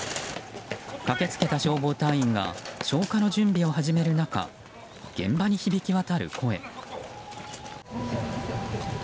駆け付けた消防隊員が消火の準備を始める中現場に響き渡る声。